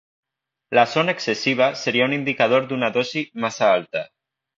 La son excessiva seria un indicador d'una dosi massa alta.